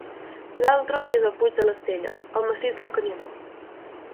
L'altra és el Puig de l'Estella, al massís del Canigó.